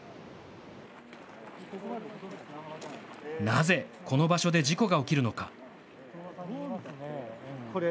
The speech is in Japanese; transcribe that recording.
なぜこの場所で事故が起きるのか。